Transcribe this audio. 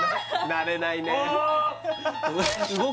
慣れないねおお！